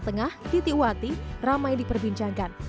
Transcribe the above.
setengah di tiwati ramai diperbincangkan